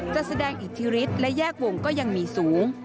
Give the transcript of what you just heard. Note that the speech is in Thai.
จัดแสดงอิทธิฤทธิและแยกวงก็ยังมีสูง